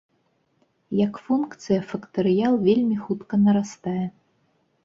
Як функцыя, фактарыял вельмі хутка нарастае.